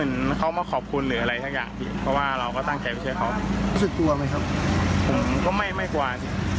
นี่ค่ะ